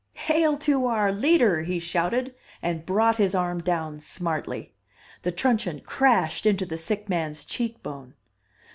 "Hail to our Leader!" he shouted, and brought his arm down smartly. The truncheon crashed into the sick man's cheek bone.